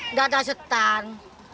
tidak ada setan